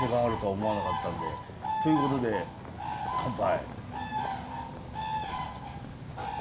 ということで乾杯。